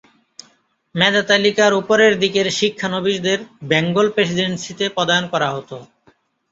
মেধাতালিকার উপরের দিকের শিক্ষানবিসদের বেঙ্গল প্রেসিডেন্সিতে পদায়ন করা হতো।